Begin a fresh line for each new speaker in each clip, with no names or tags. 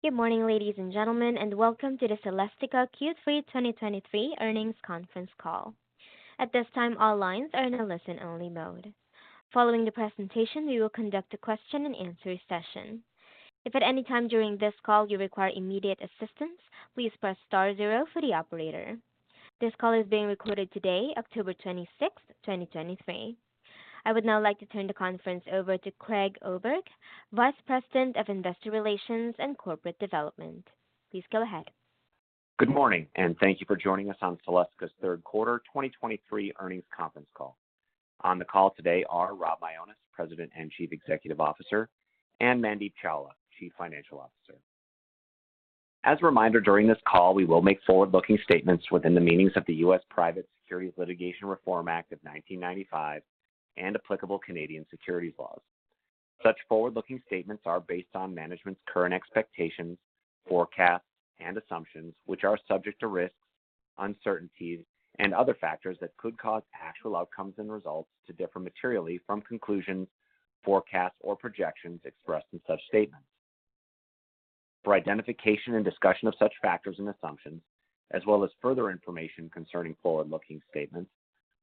Good morning, ladies and gentlemen, and welcome to the Celestica Q3 2023 Earnings Conference Call. At this time, all lines are in a listen-only mode. Following the presentation, we will conduct a question-and-answer session. If at any time during this call you require immediate assistance, please press star zero for the operator. This call is being recorded today, October 26, 2023. I would now like to turn the conference over to Craig Oberg, Vice President of Investor Relations and Corporate Development. Please go ahead.
Good morning, and thank you for joining us on Celestica's third quarter 2023 earnings conference call. On the call today are Rob Mionis, President and Chief Executive Officer, and Mandeep Chawla, Chief Financial Officer. As a reminder, during this call, we will make forward-looking statements within the meanings of the U.S. Private Securities Litigation Reform Act of 1995 and applicable Canadian securities laws. Such forward-looking statements are based on management's current expectations, forecasts, and assumptions, which are subject to risks, uncertainties, and other factors that could cause actual outcomes and results to differ materially from conclusions, forecasts, or projections expressed in such statements. For identification and discussion of such factors and assumptions, as well as further information concerning forward-looking statements,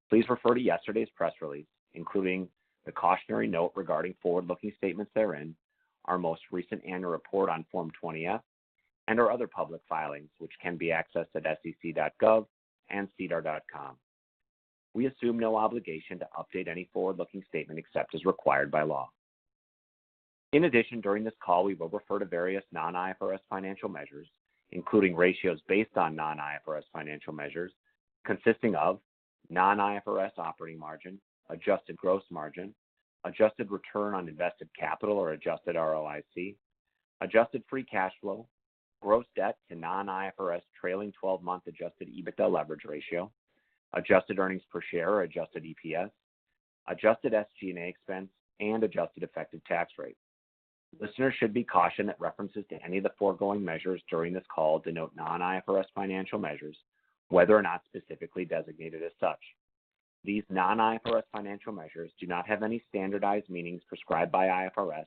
please refer to yesterday's press release, including the cautionary note regarding forward-looking statements therein, our most recent annual report on Form 20-F, and our other public filings, which can be accessed at SEC.gov and SEDAR.com. We assume no obligation to update any forward-looking statement except as required by law. In addition, during this call, we will refer to various non-IFRS financial measures, including ratios based on non-IFRS financial measures consisting of non-IFRS operating margin, adjusted gross margin, adjusted return on invested capital or adjusted ROIC, adjusted free cash flow, gross debt to non-IFRS trailing-twelve-month adjusted EBITDA leverage ratio, adjusted earnings per share or adjusted EPS, adjusted SG&A expense, and adjusted effective tax rate. Listeners should be cautioned that references to any of the foregoing measures during this call denote non-IFRS financial measures, whether or not specifically designated as such. These non-IFRS financial measures do not have any standardized meanings prescribed by IFRS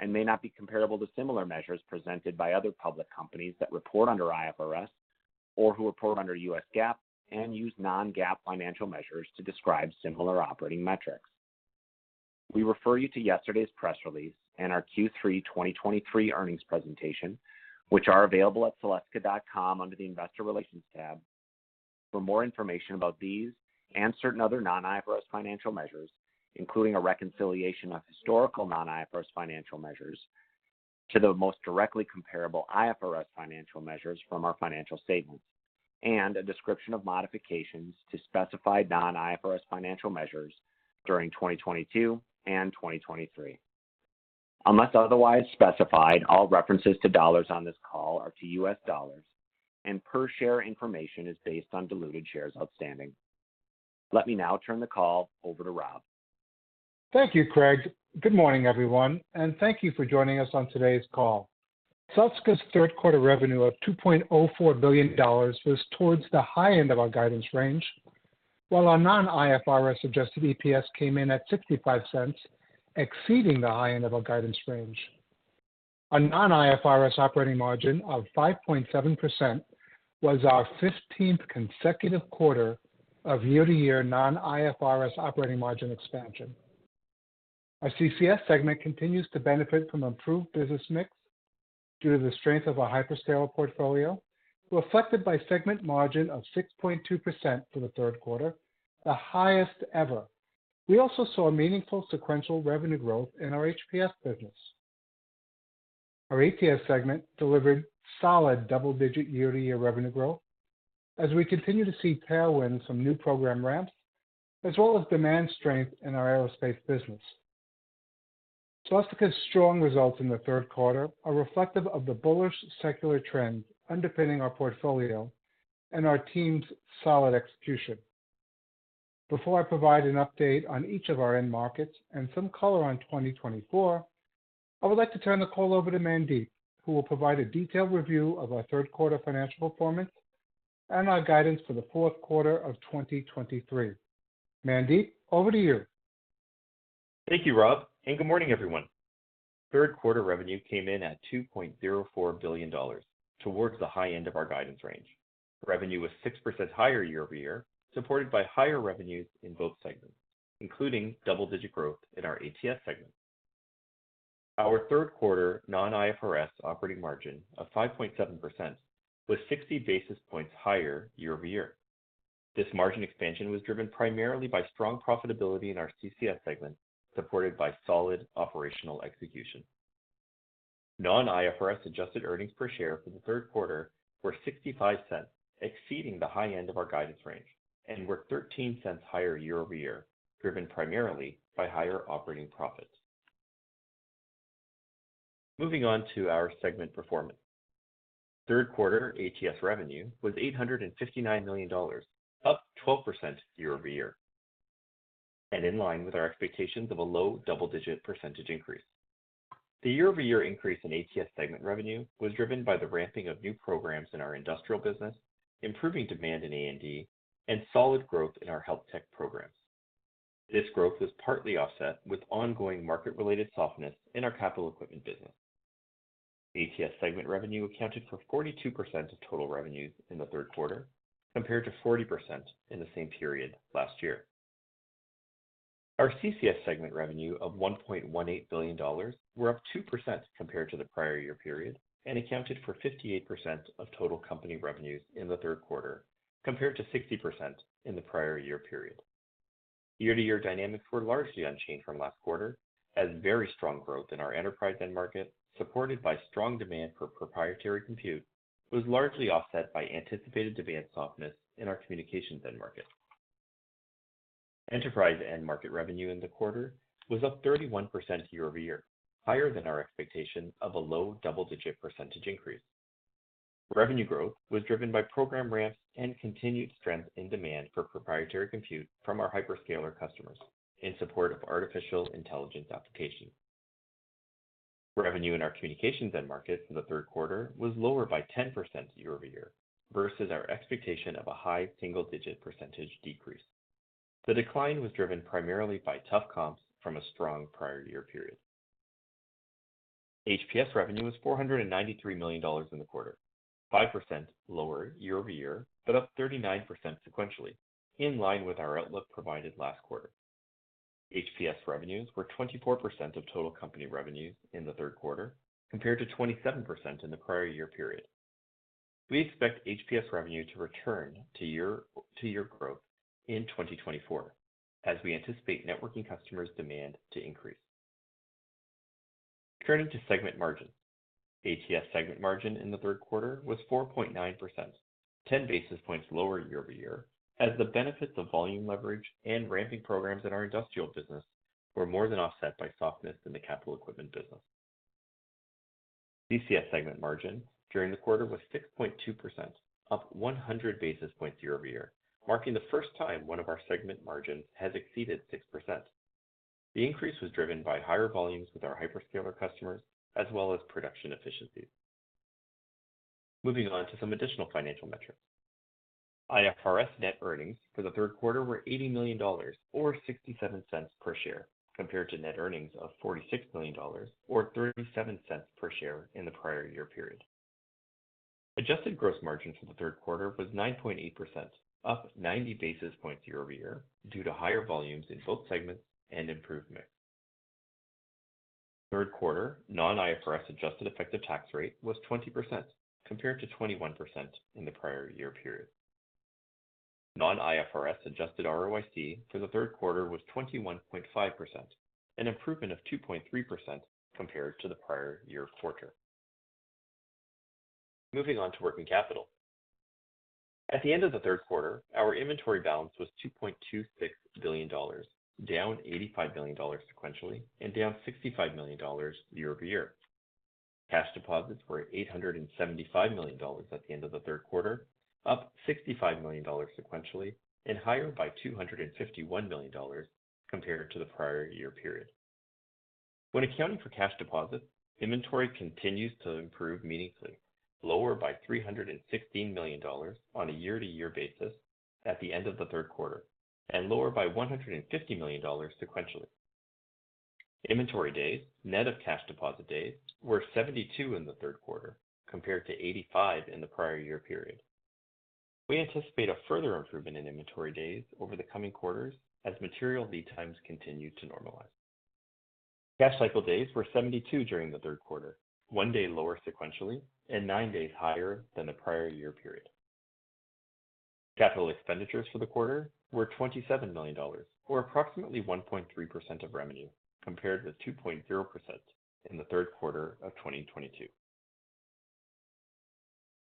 and may not be comparable to similar measures presented by other public companies that report under IFRS or who report under US GAAP and use non-GAAP financial measures to describe similar operating metrics. We refer you to yesterday's press release and our Q3 2023 earnings presentation, which are available at celestica.com under the Investor Relations tab. For more information about these and certain other non-IFRS financial measures, including a reconciliation of historical non-IFRS financial measures to the most directly comparable IFRS financial measures from our financial statements, and a description of modifications to specified non-IFRS financial measures during 2022 and 2023. Unless otherwise specified, all references to dollars on this call are to US dollars, and per share information is based on diluted shares outstanding. Let me now turn the call over to Rob.
Thank you, Craig. Good morning, everyone, and thank you for joining us on today's call. Celestica's third quarter revenue of $2.04 billion was towards the high end of our guidance range, while our non-IFRS adjusted EPS came in at $0.65, exceeding the high end of our guidance range. Our non-IFRS operating margin of 5.7% was our 15th consecutive quarter of year-to-year non-IFRS operating margin expansion. Our CCS segment continues to benefit from improved business mix due to the strength of our hyperscaler portfolio, reflected by segment margin of 6.2% for the third quarter, the highest ever. We also saw a meaningful sequential revenue growth in our HPS business. Our ATS segment delivered solid double-digit year-over-year revenue growth as we continue to see tailwinds from new program ramps, as well as demand strength in our aerospace business. Celestica's strong results in the third quarter are reflective of the bullish secular trend underpinning our portfolio and our team's solid execution. Before I provide an update on each of our end markets and some color on 2024, I would like to turn the call over to Mandeep, who will provide a detailed review of our third quarter financial performance and our guidance for the fourth quarter of 2023. Mandeep, over to you.
Thank you, Rob, and good morning, everyone. Third quarter revenue came in at $2.04 billion, towards the high end of our guidance range. Revenue was 6% higher year-over-year, supported by higher revenues in both segments, including double-digit growth in our ATS segment. Our third quarter non-IFRS operating margin of 5.7% was 60 basis points higher year-over-year. This margin expansion was driven primarily by strong profitability in our CCS segment, supported by solid operational execution. Non-IFRS adjusted earnings per share for the third quarter were $0.65, exceeding the high end of our guidance range and were $0.13 higher year-over-year, driven primarily by higher operating profits. Moving on to our segment performance. Third quarter ATS revenue was $859 million, up 12% year-over-year, and in line with our expectations of a low double-digit percentage increase. The year-over-year increase in ATS segment revenue was driven by the ramping of new programs in our industrial business, improving demand in A&D, and solid growth in our health tech programs. This growth was partly offset with ongoing market-related softness in our capital equipment business. ATS segment revenue accounted for 42% of total revenues in the third quarter, compared to 40% in the same period last year. Our CCS segment revenue of $1.18 billion were up 2% compared to the prior year period, and accounted for 58% of total company revenues in the third quarter, compared to 60% in the prior year period. Year-over-year dynamics were largely unchanged from last quarter, as very strong growth in our enterprise end market, supported by strong demand for proprietary compute, was largely offset by anticipated demand softness in our communications end market. Enterprise end market revenue in the quarter was up 31% year-over-year, higher than our expectation of a low double-digit percentage increase. Revenue growth was driven by program ramps and continued strength in demand for proprietary compute from our hyperscaler customers in support of artificial intelligence applications. Revenue in our communications end markets in the third quarter was lower by 10% year-over-year, versus our expectation of a high single-digit percentage decrease. The decline was driven primarily by tough comps from a strong prior year period. HPS revenue was $493 million in the quarter, 5% lower year-over-year, but up 39% sequentially, in line with our outlook provided last quarter. HPS revenues were 24% of total company revenues in the third quarter, compared to 27% in the prior year period. We expect HPS revenue to return to year-to-year growth in 2024, as we anticipate networking customers' demand to increase. Turning to segment margins. ATS segment margin in the third quarter was 4.9%, 10 basis points lower year-over-year, as the benefits of volume leverage and ramping programs in our industrial business were more than offset by softness in the capital equipment business. CCS segment margin during the quarter was 6.2%, up 100 basis points year-over-year, marking the first time one of our segment margins has exceeded 6%. The increase was driven by higher volumes with our hyperscaler customers, as well as production efficiencies. Moving on to some additional financial metrics. IFRS net earnings for the third quarter were $80 million or $0.67 per share, compared to net earnings of $46 million or $0.37 per share in the prior year period. Adjusted gross margin for the third quarter was 9.8%, up 90 basis points year-over-year due to higher volumes in both segments and improved mix. Third quarter non-IFRS adjusted effective tax rate was 20%, compared to 21% in the prior year period. Non-IFRS Adjusted ROIC for the third quarter was 21.5%, an improvement of 2.3% compared to the prior year quarter. Moving on to working capital. At the end of the third quarter, our inventory balance was $2.26 billion, down $85 million sequentially and down $65 million year-over-year. Cash deposits were $875 million at the end of the third quarter, up $65 million sequentially and higher by $251 million compared to the prior year period. When accounting for cash deposits, inventory continues to improve meaningfully, lower by $316 million on a year-over-year basis at the end of the third quarter, and lower by $150 million sequentially. Inventory days, net of cash deposit days, were 72 in the third quarter, compared to 85 in the prior year period. We anticipate a further improvement in inventory days over the coming quarters as material lead times continue to normalize. Cash cycle days were 72 during the third quarter, 1 day lower sequentially, and 9 days higher than the prior year period. Capital expenditures for the quarter were $27 million, or approximately 1.3% of revenue, compared with 2.0% in the third quarter of 2022.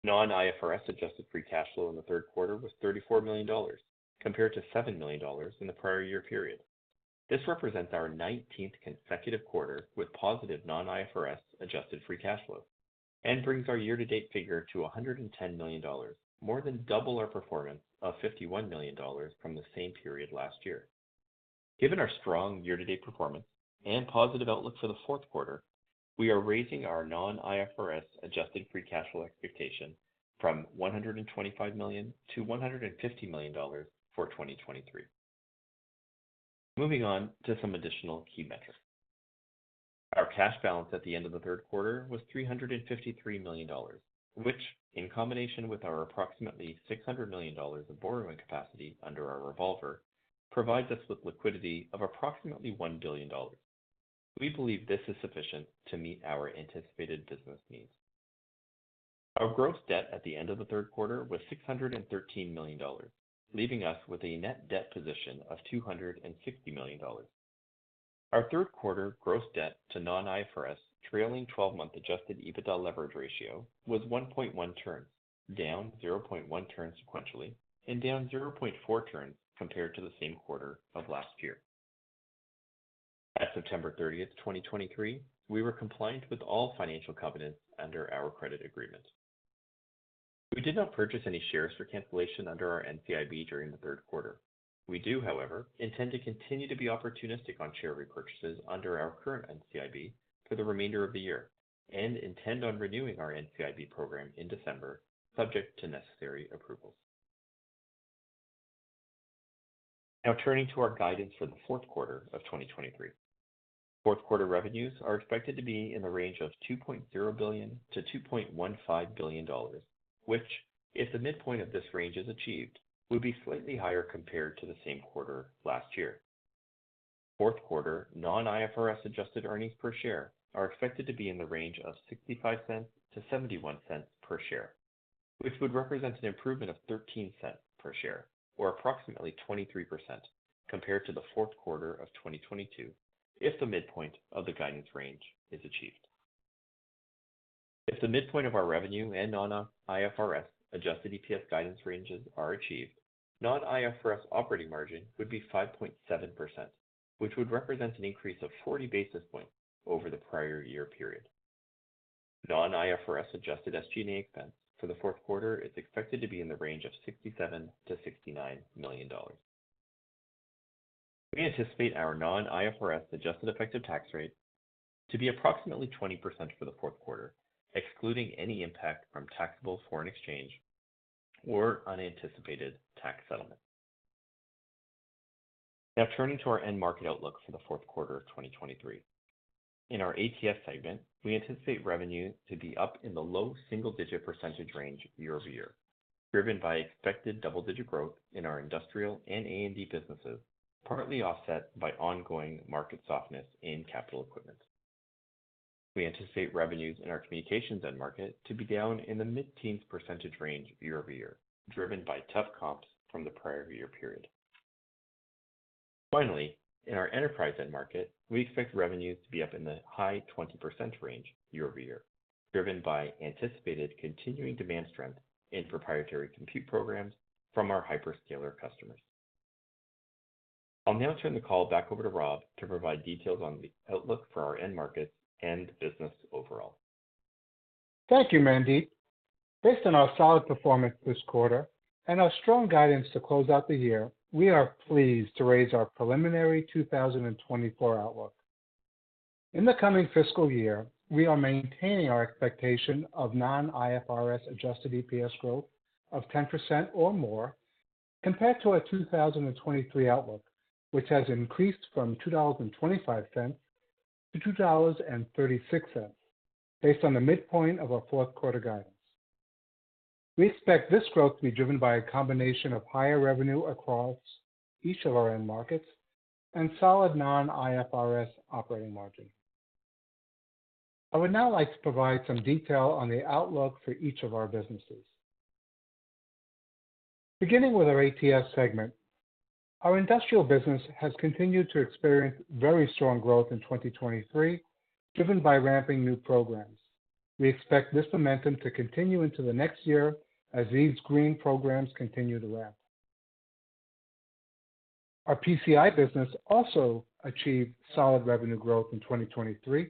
Non-IFRS adjusted free cash flow in the third quarter was $34 million, compared to $7 million in the prior year period. This represents our nineteenth consecutive quarter with positive non-IFRS adjusted free cash flow and brings our year-to-date figure to $110 million, more than double our performance of $51 million from the same period last year. Given our strong year-to-date performance and positive outlook for the fourth quarter, we are raising our non-IFRS adjusted free cash flow expectation from $125 million to $150 million for 2023. Moving on to some additional key metrics. Our cash balance at the end of the third quarter was $353 million, which, in combination with our approximately $600 million of borrowing capacity under our revolver, provides us with liquidity of approximately $1 billion. We believe this is sufficient to meet our anticipated business needs. Our gross debt at the end of the third quarter was $613 million, leaving us with a net debt position of $260 million. Our third quarter gross debt to non-IFRS trailing twelve-month Adjusted EBITDA leverage ratio was 1.1 turns, down 0.1 turns sequentially, and down 0.4 turns compared to the same quarter of last year. At September 30, 2023, we were compliant with all financial covenants under our credit agreement. We did not purchase any shares for cancellation under our NCIB during the third quarter. We do, however, intend to continue to be opportunistic on share repurchases under our current NCIB for the remainder of the year... and intend on renewing our NCIB program in December, subject to necessary approvals. Now turning to our guidance for the fourth quarter of 2023. Fourth quarter revenues are expected to be in the range of $2.0 billion-$2.15 billion, which, if the midpoint of this range is achieved, would be slightly higher compared to the same quarter last year. Fourth quarter non-IFRS adjusted earnings per share are expected to be in the range of $0.65-$0.71 per share, which would represent an improvement of $0.13 per share, or approximately 23% compared to the fourth quarter of 2022, if the midpoint of the guidance range is achieved. If the midpoint of our revenue and non-IFRS adjusted EPS guidance ranges are achieved, non-IFRS operating margin would be 5.7%, which would represent an increase of 40 basis points over the prior year period. Non-IFRS adjusted SG&A expense for the fourth quarter is expected to be in the range of $67 million-$69 million. We anticipate our non-IFRS adjusted effective tax rate to be approximately 20% for the fourth quarter, excluding any impact from taxable foreign exchange or unanticipated tax settlements. Now turning to our end market outlook for the fourth quarter of 2023. In our ATS segment, we anticipate revenue to be up in the low single-digit % range year-over-year, driven by expected double-digit growth in our industrial and A&D businesses, partly offset by ongoing market softness in capital equipment. We anticipate revenues in our communications end market to be down in the mid-teens % range year-over-year, driven by tough comps from the prior year period. Finally, in our enterprise end market, we expect revenues to be up in the high 20% range year-over-year, driven by anticipated continuing demand strength in proprietary compute programs from our hyperscaler customers. I'll now turn the call back over to Rob to provide details on the outlook for our end markets and the business overall.
Thank you, Mandeep. Based on our solid performance this quarter and our strong guidance to close out the year, we are pleased to raise our preliminary 2024 outlook. In the coming fiscal year, we are maintaining our expectation of non-IFRS adjusted EPS growth of 10% or more, compared to our 2023 outlook, which has increased from $2.25 to $2.36, based on the midpoint of our fourth quarter guidance. We expect this growth to be driven by a combination of higher revenue across each of our end markets and solid non-IFRS operating margin. I would now like to provide some detail on the outlook for each of our businesses. Beginning with our ATS segment, our industrial business has continued to experience very strong growth in 2023, driven by ramping new programs. We expect this momentum to continue into the next year as these green programs continue to ramp. Our PCI business also achieved solid revenue growth in 2023,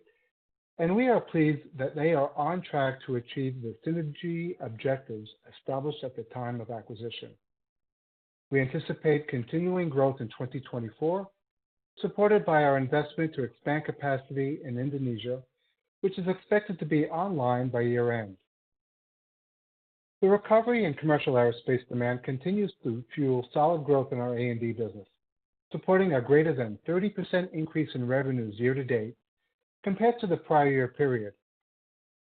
and we are pleased that they are on track to achieve the synergy objectives established at the time of acquisition. We anticipate continuing growth in 2024, supported by our investment to expand capacity in Indonesia, which is expected to be online by year-end. The recovery in commercial aerospace demand continues to fuel solid growth in our A&D business, supporting a greater than 30% increase in revenues year to date compared to the prior year period.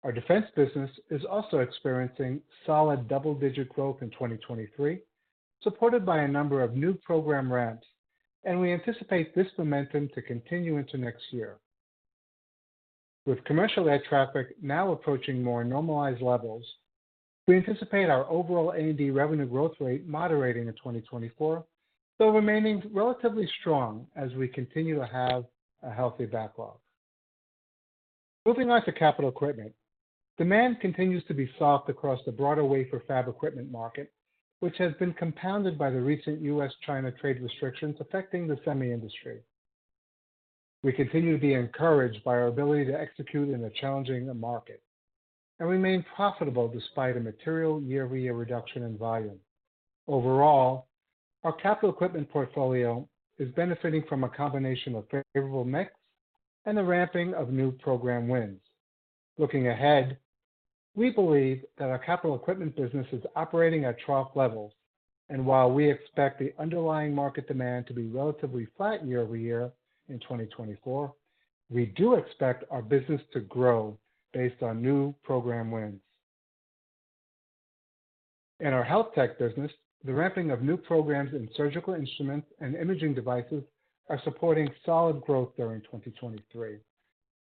Our defense business is also experiencing solid double-digit growth in 2023, supported by a number of new program ramps, and we anticipate this momentum to continue into next year. With commercial air traffic now approaching more normalized levels, we anticipate our overall A&D revenue growth rate moderating in 2024, though remaining relatively strong as we continue to have a healthy backlog. Moving on to capital equipment. Demand continues to be soft across the broader wafer fab equipment market, which has been compounded by the recent U.S.-China trade restrictions affecting the semi industry. We continue to be encouraged by our ability to execute in a challenging market and remain profitable despite a material year-over-year reduction in volume. Overall, our capital equipment portfolio is benefiting from a combination of favorable mix and the ramping of new program wins. Looking ahead, we believe that our capital equipment business is operating at trough levels, and while we expect the underlying market demand to be relatively flat year-over-year in 2024, we do expect our business to grow based on new program wins. In our health tech business, the ramping of new programs in surgical instruments and imaging devices are supporting solid growth during 2023.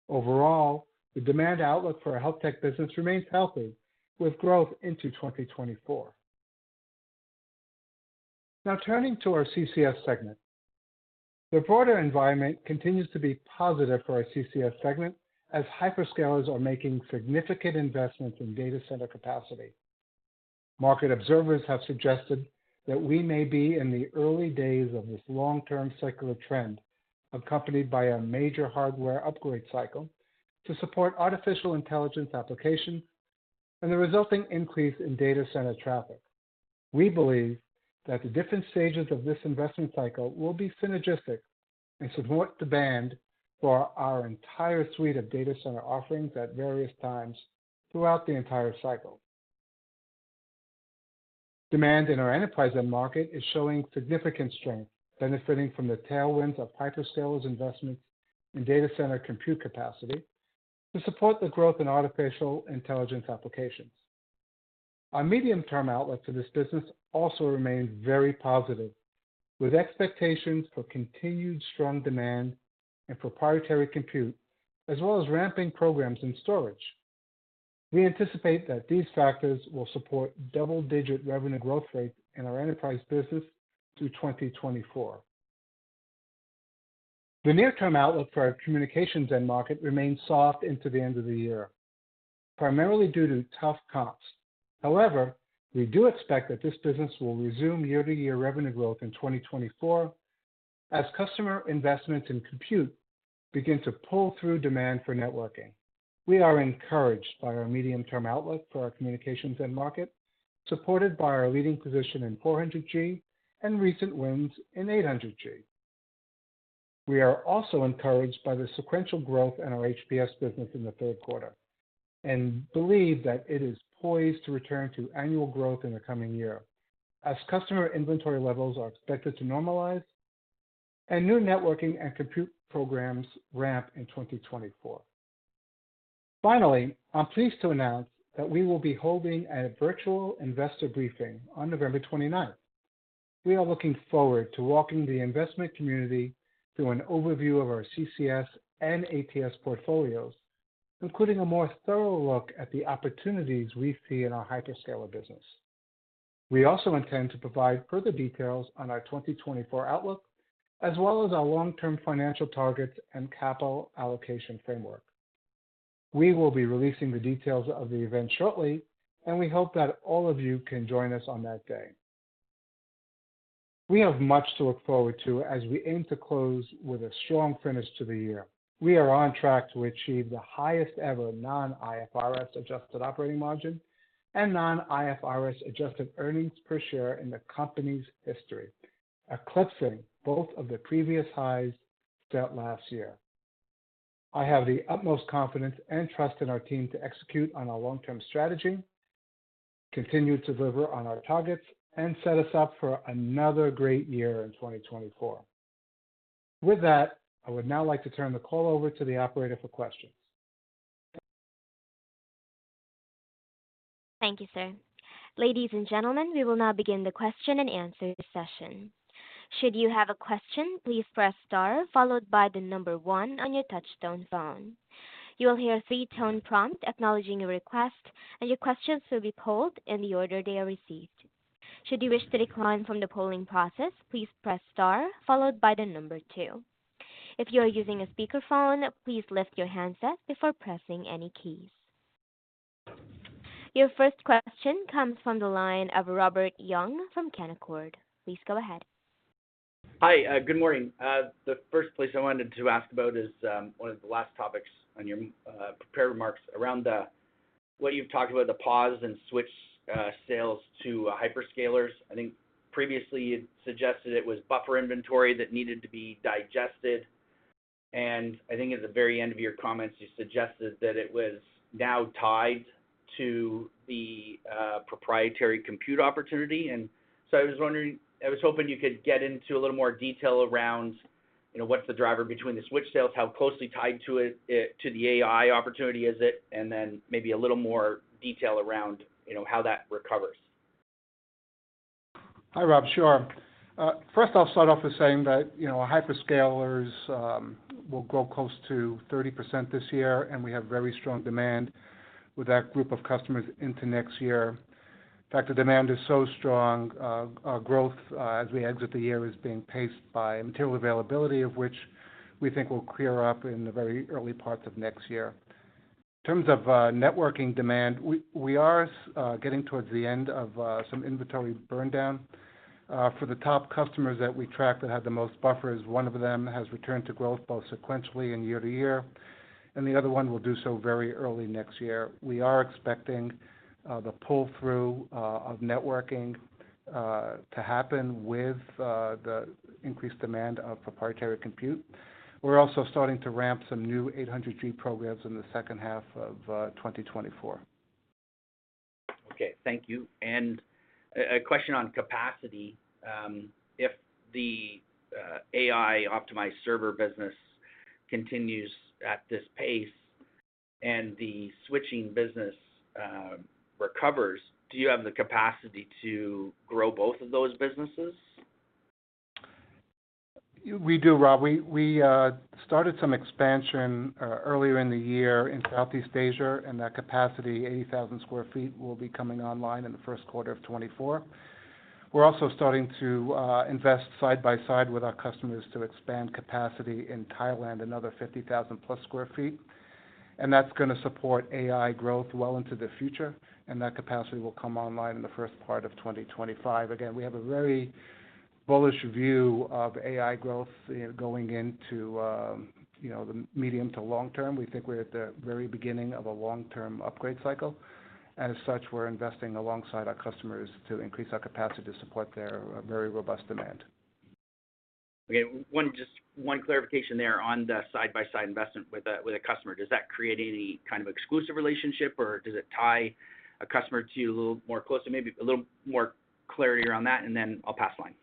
Overall, the demand outlook for our health tech business remains healthy, with growth into 2024. Now turning to our CCS segment. The broader environment continues to be positive for our CCS segment as hyperscalers are making significant investments in data center capacity. Market observers have suggested that we may be in the early days of this long-term secular trend, accompanied by a major hardware upgrade cycle to support artificial intelligence applications and the resulting increase in data center traffic. We believe that the different stages of this investment cycle will be synergistic and support the demand for our entire suite of data center offerings at various times throughout the entire cycle. Demand in our enterprise end market is showing significant strength, benefiting from the tailwinds of hyperscalers investments in data center compute capacity to support the growth in artificial intelligence applications. Our medium-term outlook for this business also remains very positive, with expectations for continued strong demand and proprietary compute, as well as ramping programs in storage. We anticipate that these factors will support double-digit revenue growth rate in our enterprise business through 2024. The near-term outlook for our communications end market remains soft into the end of the year, primarily due to tough comps. However, we do expect that this business will resume year-to-year revenue growth in 2024 as customer investments in compute begin to pull through demand for networking. We are encouraged by our medium-term outlook for our communications end market, supported by our leading position in 400G and recent wins in 800G. We are also encouraged by the sequential growth in our HPS business in the third quarter and believe that it is poised to return to annual growth in the coming year, as customer inventory levels are expected to normalize and new networking and compute programs ramp in 2024. Finally, I'm pleased to announce that we will be holding a virtual investor briefing on November 29th. We are looking forward to walking the investment community through an overview of our CCS and ATS portfolios, including a more thorough look at the opportunities we see in our hyperscaler business. We also intend to provide further details on our 2024 outlook, as well as our long-term financial targets and capital allocation framework. We will be releasing the details of the event shortly, and we hope that all of you can join us on that day. We have much to look forward to as we aim to close with a strong finish to the year. We are on track to achieve the highest ever non-IFRS adjusted operating margin and non-IFRS adjusted earnings per share in the company's history, eclipsing both of the previous highs set last year. I have the utmost confidence and trust in our team to execute on our long-term strategy, continue to deliver on our targets, and set us up for another great year in 2024. With that, I would now like to turn the call over to the operator for questions.
Thank you, sir. Ladies and gentlemen, we will now begin the question-and-answer session. Should you have a question, please press star followed by the number 1 on your touchtone phone. You will hear a three-tone prompt acknowledging your request, and your questions will be polled in the order they are received. Should you wish to decline from the polling process, please press star followed by the number 2. If you are using a speakerphone, please lift your handset before pressing any keys. Your first question comes from the line of Robert Young from Canaccord. Please go ahead.
Hi, good morning. The first place I wanted to ask about is, one of the last topics on your, prepared remarks around the, what you've talked about, the pause and switch, sales to, hyperscalers. I think previously you'd suggested it was buffer inventory that needed to be digested, and I think at the very end of your comments, you suggested that it was now tied to the, proprietary compute opportunity. And so I was wondering, I was hoping you could get into a little more detail around, you know, what's the driver between the switch sales, how closely tied to it, it, to the AI opportunity is it, and then maybe a little more detail around, you know, how that recovers.
Hi, Rob. Sure. First, I'll start off with saying that, you know, our hyperscalers will grow close to 30% this year, and we have very strong demand with that group of customers into next year. In fact, the demand is so strong, our growth as we exit the year is being paced by material availability, of which we think will clear up in the very early parts of next year. In terms of networking demand, we are getting towards the end of some inventory burn down. For the top customers that we track that have the most buffers, one of them has returned to growth, both sequentially and year-to-year, and the other one will do so very early next year. We are expecting the pull-through of networking to happen with the increased demand of proprietary compute. We're also starting to ramp some new 800G programs in the second half of 2024.
Okay. Thank you. And a question on capacity. If the AI optimized server business continues at this pace and the switching business recovers, do you have the capacity to grow both of those businesses?
We do, Rob. We started some expansion earlier in the year in Southeast Asia, and that capacity, 80,000 sq ft, will be coming online in the first quarter of 2024. We're also starting to invest side by side with our customers to expand capacity in Thailand, another 50,000+ sq ft, and that's going to support AI growth well into the future, and that capacity will come online in the first part of 2025. Again, we have a very-... bullish view of AI growth, you know, going into, you know, the medium to long term. We think we're at the very beginning of a long-term upgrade cycle, and as such, we're investing alongside our customers to increase our capacity to support their, very robust demand.
Okay, one, just one clarification there on the side-by-side investment with a, with a customer. Does that create any kind of exclusive relationship, or does it tie a customer to you a little more closely? Maybe a little more clarity around that, and then I'll pass the line.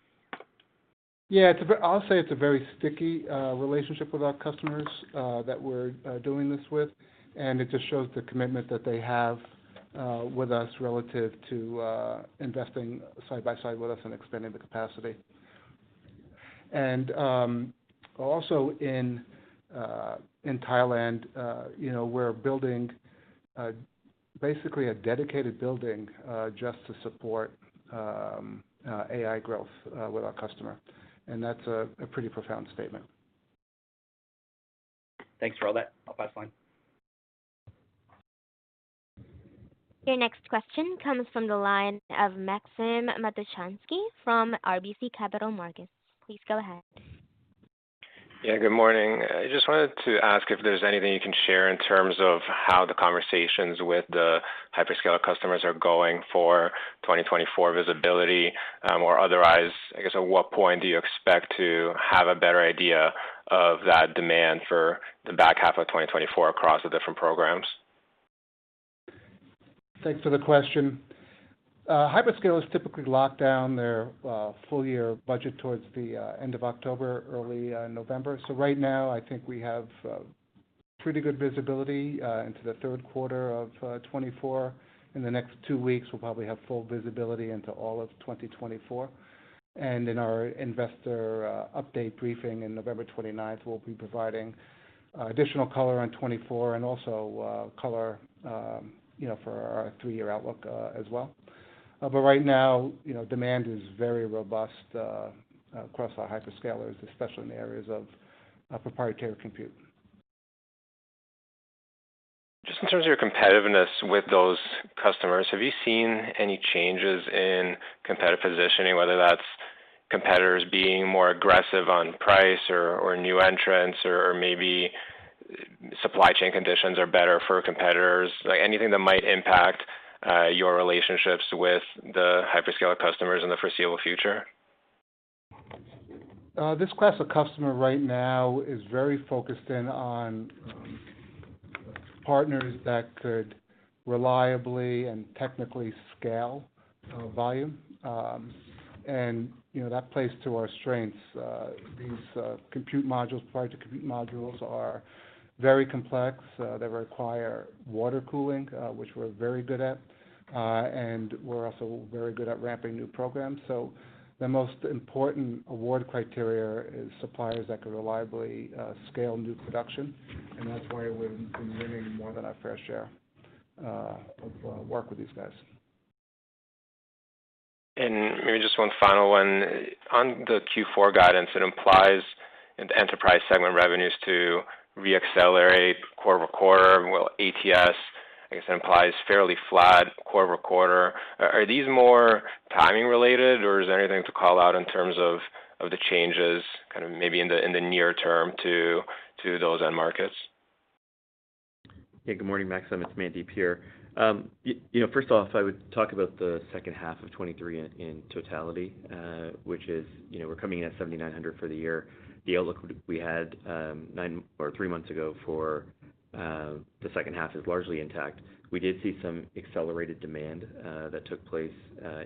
Yeah, it's a—I'll say it's a very sticky relationship with our customers that we're doing this with, and it just shows the commitment that they have with us relative to investing side by side with us and expanding the capacity. Also in Thailand, you know, we're building basically a dedicated building just to support AI growth with our customer, and that's a pretty profound statement.
Thanks for all that. I'll pass the line.
Your next question comes from the line of Maxim Matushansky from RBC Capital Markets. Please go ahead.
Yeah, good morning. I just wanted to ask if there's anything you can share in terms of how the conversations with the hyperscale customers are going for 2024 visibility, or otherwise, I guess, at what point do you expect to have a better idea of that demand for the back half of 2024 across the different programs?
Thanks for the question. Hyperscalers typically lock down their full year budget towards the end of October, early November. So right now, I think we have pretty good visibility into the third quarter of 2024. In the next two weeks, we'll probably have full visibility into all of 2024. And in our investor update briefing in November 29th, we'll be providing additional color on 2024 and also color, you know, for our three-year outlook as well. But right now, you know, demand is very robust across our hyperscalers, especially in the areas of proprietary compute.
Just in terms of your competitiveness with those customers, have you seen any changes in competitive positioning, whether that's competitors being more aggressive on price or, or new entrants, or, or maybe supply chain conditions are better for competitors? Like, anything that might impact your relationships with the hyperscale customers in the foreseeable future?
This class of customer right now is very focused in on partners that could reliably and technically scale volume. And you know, that plays to our strengths. These compute modules, proprietary compute modules are very complex. They require water cooling, which we're very good at, and we're also very good at ramping new programs. So the most important award criteria is suppliers that can reliably scale new production, and that's why we've been winning more than our fair share of work with these guys.
And maybe just one final one. On the Q4 guidance, it implies an enterprise segment revenues to reaccelerate quarter-over-quarter, while ATS, I guess, implies fairly flat quarter-over-quarter. Are these more timing related, or is there anything to call out in terms of the changes, kind of maybe in the near term to those end markets?
Yeah, good morning, Maxim. It's Mandeep here. You know, first off, I would talk about the second half of 2023 in totality, which is, you know, we're coming in at $7,900 for the year. The outlook we had nine or three months ago for the second half is largely intact. We did see some accelerated demand that took place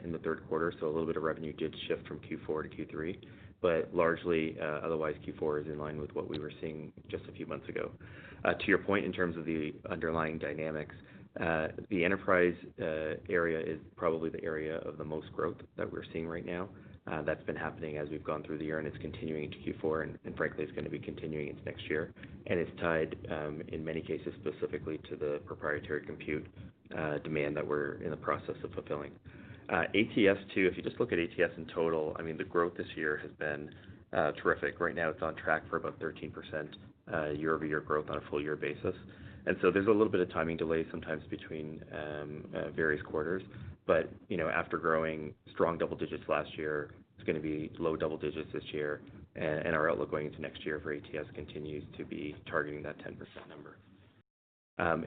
in the third quarter, so a little bit of revenue did shift from Q4 to Q3. Largely, otherwise, Q4 is in line with what we were seeing just a few months ago. To your point, in terms of the underlying dynamics, the enterprise area is probably the area of the most growth that we're seeing right now. That's been happening as we've gone through the year, and it's continuing into Q4, and frankly, it's going to be continuing into next year. And it's tied in many cases, specifically to the proprietary compute demand that we're in the process of fulfilling. ATS too, if you just look at ATS in total, I mean, the growth this year has been terrific. Right now, it's on track for about 13% year-over-year growth on a full year basis. And so there's a little bit of timing delay sometimes between various quarters. But you know, after growing strong double digits last year, it's going to be low double digits this year, and our outlook going into next year for ATS continues to be targeting that 10% number.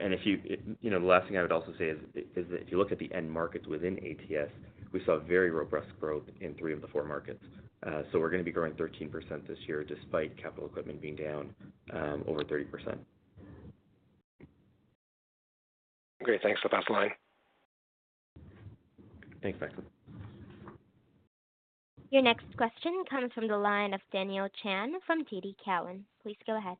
And if you know, the last thing I would also say is that if you look at the end markets within ATS, we saw very robust growth in three of the four markets. So we're going to be growing 13% this year, despite capital equipment being down over 30%.
Great, thanks. I'll pass the line.
Thanks, Maxim.
Your next question comes from the line of Daniel Chan from TD Cowen. Please go ahead.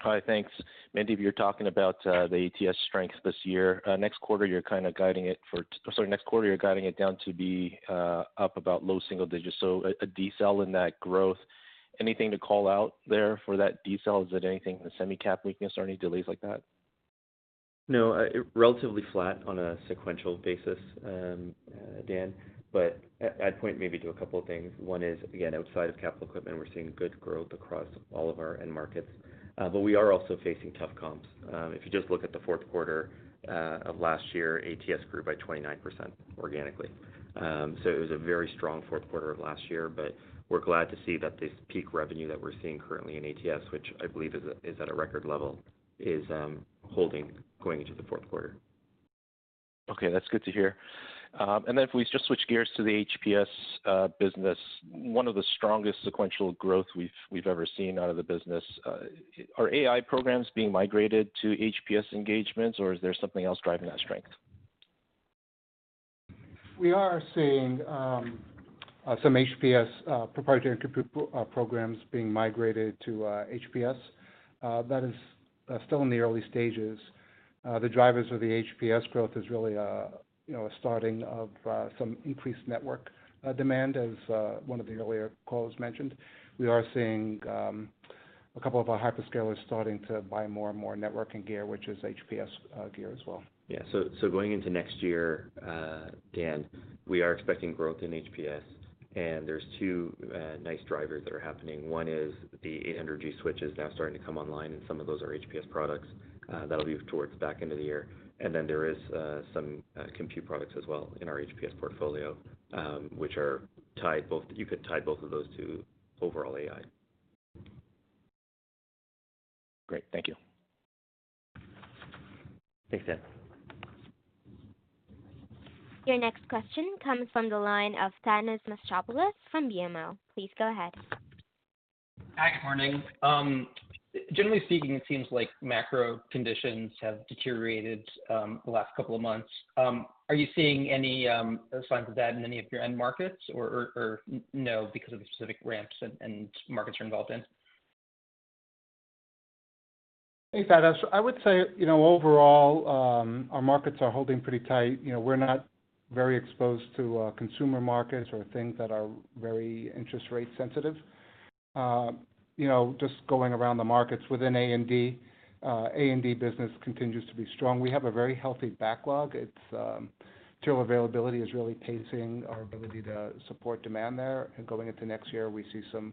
Hi, thanks. Mandeep, you're talking about the ATS strength this year. Next quarter, you're kind of guiding it for—sorry—next quarter, you're guiding it down to be up about low single digits, so a decel in that growth. Anything to call out there for that decel? Is it anything in the semi cap weakness or any delays like that? ...
No, relatively flat on a sequential basis, Dan, but I'd point maybe to a couple of things. One is, again, outside of capital equipment, we're seeing good growth across all of our end markets, but we are also facing tough comps. If you just look at the fourth quarter of last year, ATS grew by 29% organically. So it was a very strong fourth quarter of last year, but we're glad to see that this peak revenue that we're seeing currently in ATS, which I believe is at a record level, is holding going into the fourth quarter.
Okay, that's good to hear. And then if we just switch gears to the HPS business, one of the strongest sequential growth we've ever seen out of the business. Are AI programs being migrated to HPS engagements, or is there something else driving that strength?
We are seeing some HPS proprietary compute programs being migrated to HPS. That is still in the early stages. The drivers of the HPS growth is really, you know, a starting of some increased network demand, as one of the earlier calls mentioned. We are seeing a couple of our hyperscalers starting to buy more and more networking gear, which is HPS gear as well.
Yeah. So, so going into next year, Dan, we are expecting growth in HPS, and there's two nice drivers that are happening. One is the 800G switch is now starting to come online, and some of those are HPS products. That'll be towards back end of the year. And then there is some compute products as well in our HPS portfolio, which are tied both-- you could tie both of those to overall AI.
Great. Thank you.
Thanks, Dan.
Your next question comes from the line of Thanos Moschopoulos from BMO. Please go ahead.
Hi, good morning. Generally speaking, it seems like macro conditions have deteriorated the last couple of months. Are you seeing any signs of that in any of your end markets or no, because of the specific ramps and markets you're involved in?
Hey, Thanos. I would say, you know, overall, our markets are holding pretty tight. You know, we're not very exposed to, consumer markets or things that are very interest rate sensitive. You know, just going around the markets within A&D, A&D business continues to be strong. We have a very healthy backlog. It's, tool availability is really pacing our ability to support demand there. And going into next year, we see some,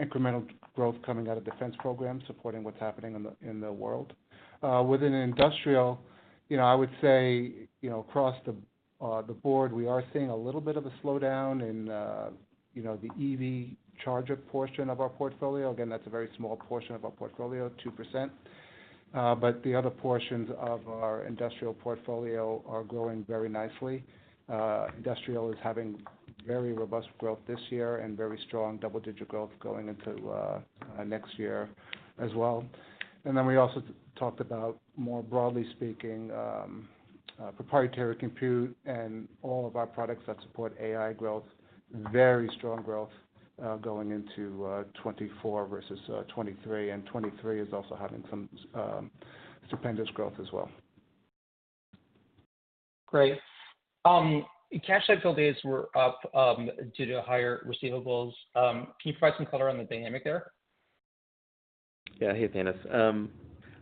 incremental growth coming out of defense programs, supporting what's happening in the, in the world. Within industrial, you know, I would say, you know, across the, the board, we are seeing a little bit of a slowdown in, you know, the EV charger portion of our portfolio. Again, that's a very small portion of our portfolio, 2%. But the other portions of our industrial portfolio are growing very nicely. Industrial is having very robust growth this year and very strong double-digit growth going into next year as well. And then we also talked about, more broadly speaking, proprietary compute and all of our products that support AI growth. Very strong growth going into 2024 versus 2023, and 2023 is also having some stupendous growth as well.
Great. Cash cycle days were up due to higher receivables. Can you provide some color on the dynamic there?
Yeah. Hey, Thanos.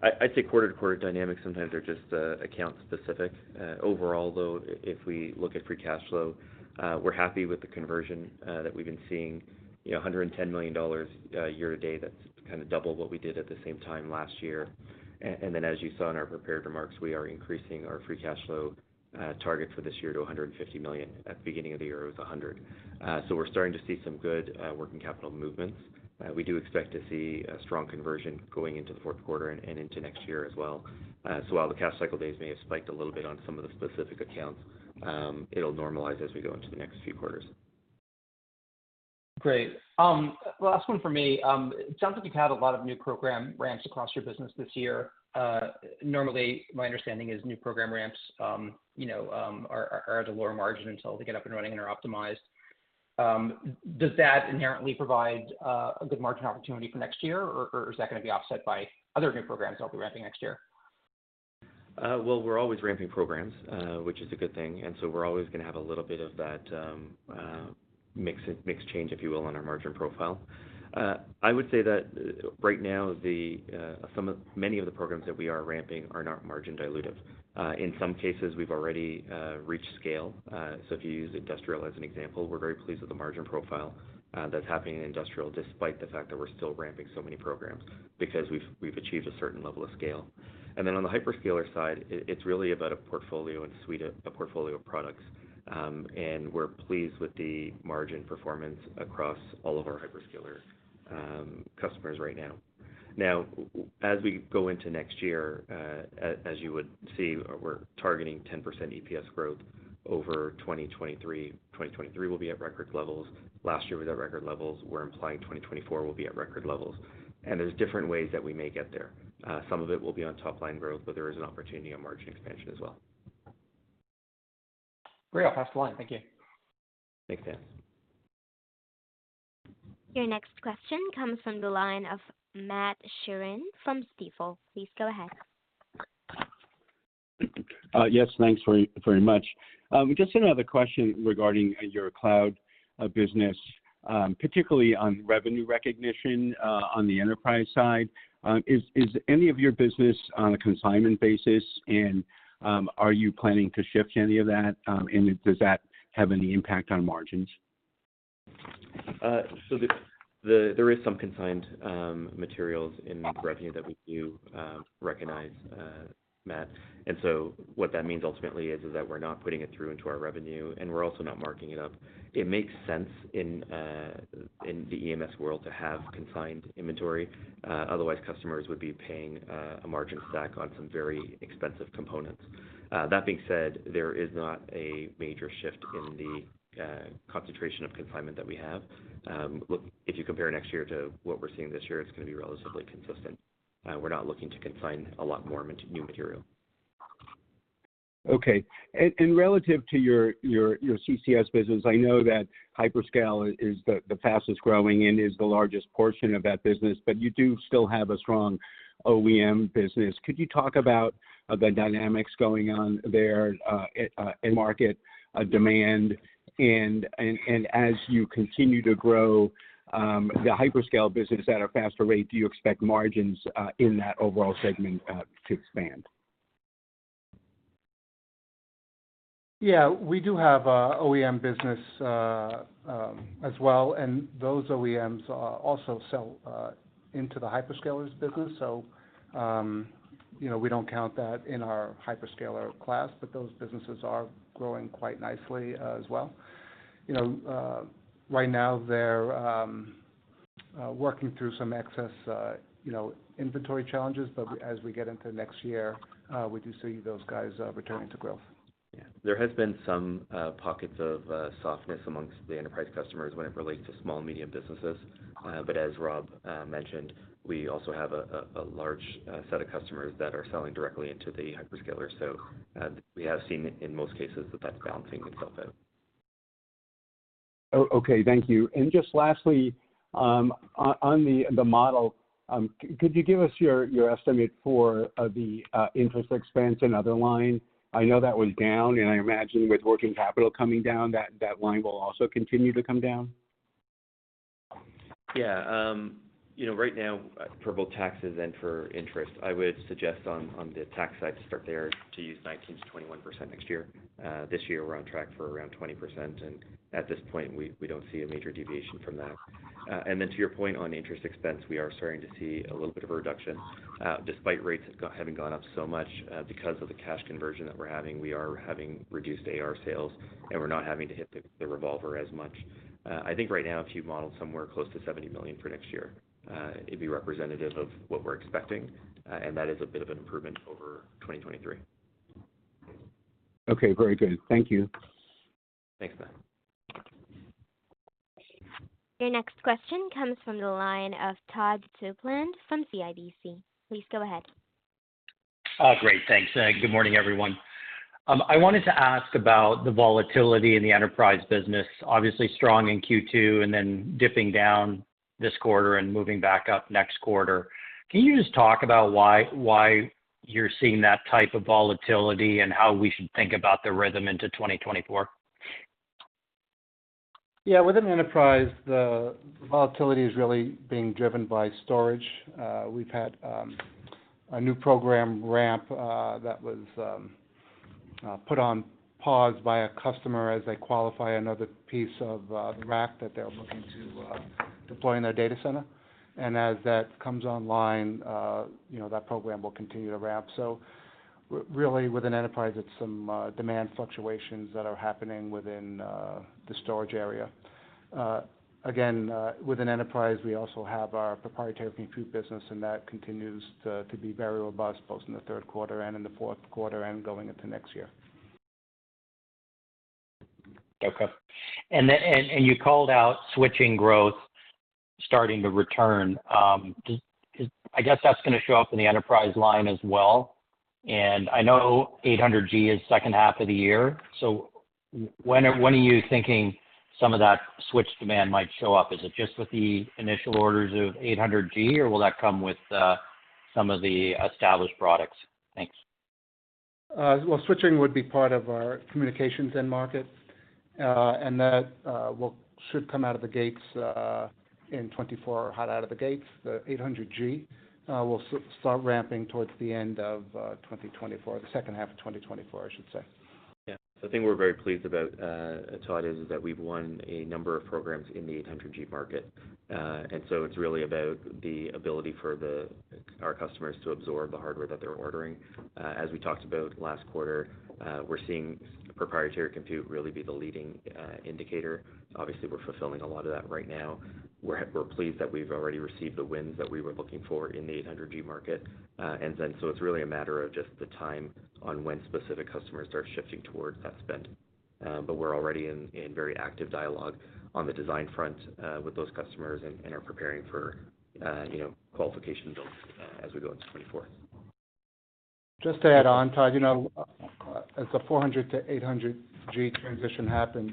I'd say quarter-to-quarter dynamics sometimes are just account specific. Overall, though, if we look at free cash flow, we're happy with the conversion that we've been seeing. You know, $110 million year to date, that's kind of double what we did at the same time last year. Then, as you saw in our prepared remarks, we are increasing our free cash flow target for this year to $150 million. At the beginning of the year, it was $100 million. So we're starting to see some good working capital movements. We do expect to see a strong conversion going into the fourth quarter and into next year as well. So while the cash cycle days may have spiked a little bit on some of the specific accounts, it'll normalize as we go into the next few quarters.
Great. Last one for me. It sounds like you've had a lot of new program ramps across your business this year. Normally, my understanding is new program ramps, you know, are at a lower margin until they get up and running and are optimized. Does that inherently provide a good margin opportunity for next year, or is that going to be offset by other new programs that will be ramping next year?
Well, we're always ramping programs, which is a good thing, and so we're always going to have a little bit of that mix change, if you will, on our margin profile. I would say that right now, many of the programs that we are ramping are not margin dilutive. In some cases, we've already reached scale. So if you use industrial as an example, we're very pleased with the margin profile that's happening in industrial, despite the fact that we're still ramping so many programs, because we've achieved a certain level of scale. And then on the hyperscaler side, it's really about a portfolio and suite of, a portfolio of products, and we're pleased with the margin performance across all of our hyperscaler customers right now. Now, as we go into next year, as you would see, we're targeting 10% EPS growth over 2023. 2023 will be at record levels. Last year was at record levels. We're implying 2024 will be at record levels, and there's different ways that we may get there. Some of it will be on top line growth, but there is an opportunity on margin expansion as well.
Great. I'll pass the line. Thank you.
Thanks, Thanos.
Your next question comes from the line of Matt Sheerin from Stifel. Please go ahead....
Yes, thanks very, very much. We just had another question regarding your cloud business, particularly on revenue recognition, on the enterprise side. Is any of your business on a consignment basis? And, are you planning to shift any of that? And does that have any impact on margins?
So there is some consigned materials in revenue that we do recognize, Matt. And so what that means ultimately is that we're not putting it through into our revenue, and we're also not marking it up. It makes sense in the EMS world to have consigned inventory. Otherwise, customers would be paying a margin stack on some very expensive components. That being said, there is not a major shift in the concentration of consignment that we have. Look, if you compare next year to what we're seeing this year, it's gonna be relatively consistent. We're not looking to consign a lot more into new material.
Okay. And relative to your CCS business, I know that hyperscale is the fastest growing and is the largest portion of that business, but you do still have a strong OEM business. Could you talk about the dynamics going on there in market demand? And as you continue to grow the hyperscale business at a faster rate, do you expect margins in that overall segment to expand?
Yeah, we do have a OEM business, as well, and those OEMs also sell into the hyperscalers business. So, you know, we don't count that in our hyperscaler class, but those businesses are growing quite nicely, as well. You know, right now, they're working through some excess, you know, inventory challenges, but as we get into next year, we do see those guys returning to growth.
Yeah. There has been some pockets of softness among the enterprise customers when it relates to small medium businesses. But as Rob mentioned, we also have a large set of customers that are selling directly into the hyperscalers. So, we have seen in most cases that that's balancing itself out.
Oh, okay, thank you. And just lastly, on the model, could you give us your estimate for the interest expense and other line? I know that was down, and I imagine with working capital coming down, that line will also continue to come down.
Yeah. You know, right now, for both taxes and for interest, I would suggest on, on the tax side, to start there, to use 19%-21% next year. This year, we're on track for around 20%, and at this point, we, we don't see a major deviation from that. And then to your point on interest expense, we are starting to see a little bit of a reduction, despite rates having gone up so much, because of the cash conversion that we're having. We are having reduced AR sales, and we're not having to hit the, the revolver as much. I think right now, if you modeled somewhere close to $70 million for next year, it'd be representative of what we're expecting, and that is a bit of an improvement over 2023.
Okay, very good. Thank you.
Thanks, Matt.
Your next question comes from the line of Todd Coupland from CIBC. Please go ahead.
Great. Thanks. Good morning, everyone. I wanted to ask about the volatility in the enterprise business, obviously strong in Q2, and then dipping down this quarter and moving back up next quarter. Can you just talk about why, why you're seeing that type of volatility and how we should think about the rhythm into 2024?
Yeah, within enterprise, the volatility is really being driven by storage. We've had a new program ramp that was put on pause by a customer as they qualify another piece of the rack that they're looking to deploy in their data center. And as that comes online, you know, that program will continue to ramp. So really, within enterprise, it's some demand fluctuations that are happening within the storage area. Again, within enterprise, we also have our proprietary compute business, and that continues to be very robust, both in the third quarter and in the fourth quarter, and going into next year.
Okay. And then you called out switching growth starting to return. Does, I guess, that's gonna show up in the enterprise line as well. And I know 800G is second half of the year, so when are you thinking some of that switch demand might show up? Is it just with the initial orders of 800G, or will that come with some of the established products? Thanks.
Well, switching would be part of our communications end market, and that should come out of the gates in 2024, hot out of the gates. The 800G will start ramping towards the end of 2024, the second half of 2024, I should say.
Yeah. The thing we're very pleased about, Todd, is that we've won a number of programs in the 800G market. And so it's really about the ability for our customers to absorb the hardware that they're ordering. As we talked about last quarter, we're seeing proprietary compute really be the leading indicator. Obviously, we're fulfilling a lot of that right now. We're pleased that we've already received the wins that we were looking for in the 800G market. And then, so it's really a matter of just the time on when specific customers start shifting towards that spend. But we're already in very active dialogue on the design front with those customers and are preparing for, you know, qualification builds as we go into 2024.
Just to add on, Todd, you know, as the 400G to 800G transition happens,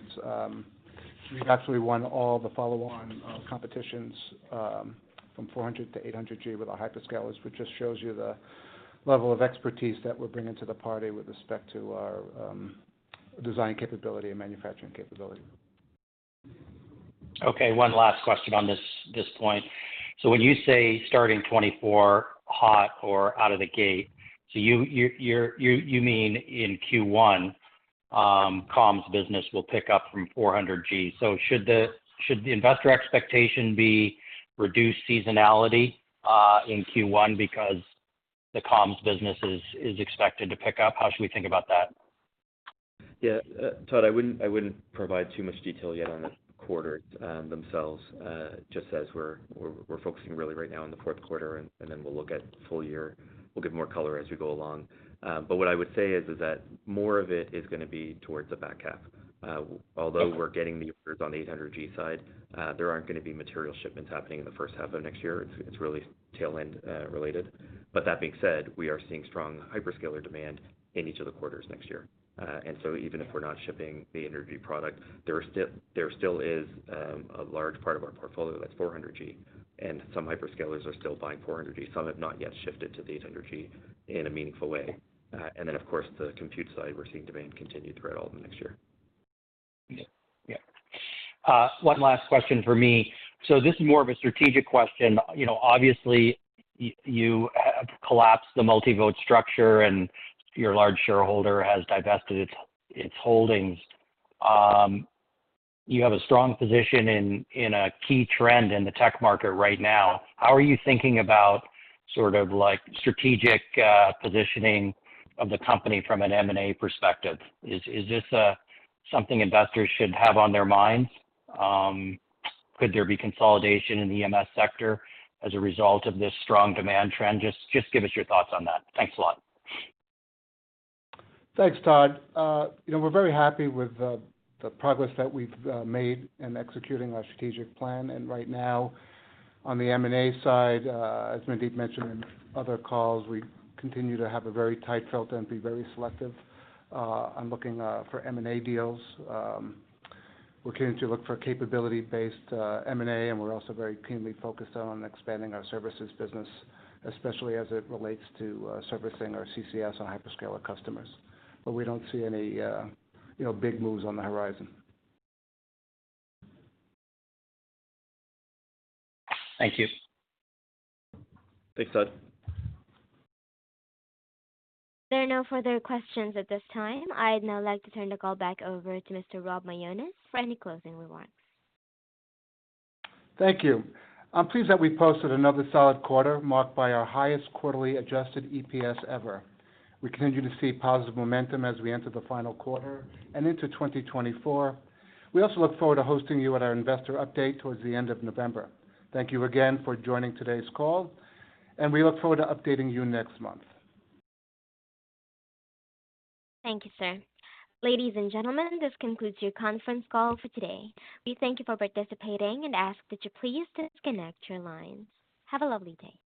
we've actually won all the follow-on competitions from 400G to 800G with our hyperscalers, which just shows you the level of expertise that we're bringing to the party with respect to our design capability and manufacturing capability.
Okay, one last question on this point. So when you say starting 2024 hot or out of the gate, so you mean in Q1, comms business will pick up from 400G. So should the investor expectation be reduced seasonality in Q1 because the comms business is expected to pick up? How should we think about that?
Yeah. Todd, I wouldn't provide too much detail yet on the quarters themselves, just as we're focusing really right now on the fourth quarter, and then we'll look at full year. We'll give more color as we go along. But what I would say is that more of it is gonna be towards the back half.
Okay.
Although we're getting the orders on the 800G side, there aren't gonna be material shipments happening in the first half of next year. It's really tail end related. But that being said, we are seeing strong hyperscaler demand in each of the quarters next year. And so even if we're not shipping the energy product, there still is a large part of our portfolio that's 400G, and some hyperscalers are still buying 400G. Some have not yet shifted to the 800G in a meaningful way. And then, of course, the compute side, we're seeing demand continue throughout all of next year.
Yeah. One last question for me. So this is more of a strategic question. You know, obviously, you collapsed the multi-vote structure, and your large shareholder has divested its holdings. You have a strong position in a key trend in the tech market right now. How are you thinking about sort of like strategic positioning of the company from an M&A perspective? Is this something investors should have on their minds? Could there be consolidation in the EMS sector as a result of this strong demand trend? Just give us your thoughts on that. Thanks a lot.
Thanks, Todd. You know, we're very happy with the progress that we've made in executing our strategic plan. And right now, on the M&A side, as Mandeep mentioned in other calls, we continue to have a very tight filter and be very selective on looking for M&A deals. We're continuing to look for capability-based M&A, and we're also very keenly focused on expanding our services business, especially as it relates to servicing our CCS and hyperscaler customers. But we don't see any, you know, big moves on the horizon.
Thank you.
Thanks, Todd.
There are no further questions at this time. I'd now like to turn the call back over to Mr. Rob Mionis for any closing remarks.
Thank you. I'm pleased that we posted another solid quarter, marked by our highest quarterly Adjusted EPS ever. We continue to see positive momentum as we enter the final quarter and into 2024. We also look forward to hosting you at our investor update towards the end of November. Thank you again for joining today's call, and we look forward to updating you next month.
Thank you, sir. Ladies and gentlemen, this concludes your conference call for today. We thank you for participating and ask that you please disconnect your lines. Have a lovely day.